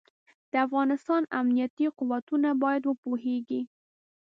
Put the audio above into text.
د افغانستان امنيتي قوتونه بايد وپوهېږي.